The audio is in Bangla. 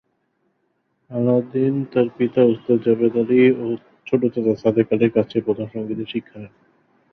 আলাউদ্দিন তার পিতা ওস্তাদ জাবেদ আলী ও ছোট চাচা সাদেক আলীর কাছে প্রথম সঙ্গীতে শিক্ষা নেন।